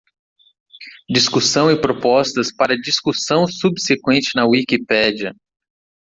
Discussão e propostas para discussão subseqüente na Wikipedia.